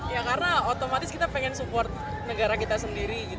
ya karena otomatis kita ingin mendukung negara kita sendiri